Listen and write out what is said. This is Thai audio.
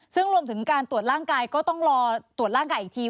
ซึ่งรวมถึงการตรวจร่างกายก็ต้องรอตรวจร่างกายอีกที